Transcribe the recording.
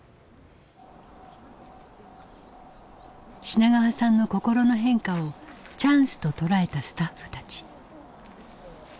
品川さんの心の変化をチャンスと捉えたスタッフたち。